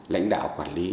lãnh đạo quản lý